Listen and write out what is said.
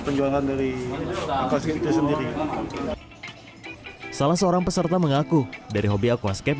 penjualan dari aquascape itu sendiri salah seorang peserta mengaku dari hobi aquascape